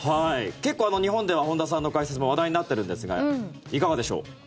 結構、日本では本田さんの解説も話題になっているんですがいかがでしょう。